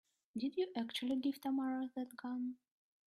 Did you actually give Tamara that gun?